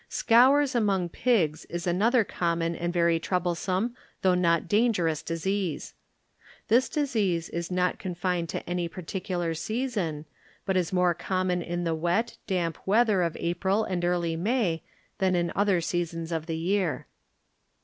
ScoiTRS among pigs is another ( and very troublesome though n_. gerous disease. This disease is not fined to any particular season, but is more common in the wet, damp weather of April and early May than in other seasons of the year.